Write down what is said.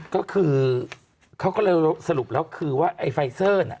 ก็คือเขาก็เลยสรุปแล้วคือว่าไอ้ไฟเซอร์น่ะ